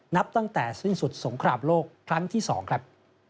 นับตั้งแต่สิ้นสุดสงครามโลกครั้งที่๒ครับ